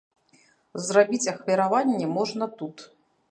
Зрабіць ахвяраванне можна тут.